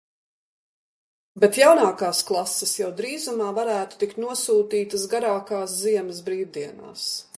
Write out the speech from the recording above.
Bet jaunākās klases jau drīzumā varētu tikt nosūtītas garākās ziemas brīvdienās.